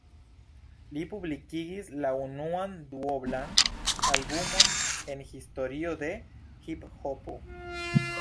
Li publikigis la unuan duoblan albumon en historio de hiphopo.